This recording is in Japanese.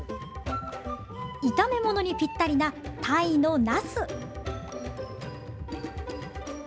炒め物にぴったりなタイのなす。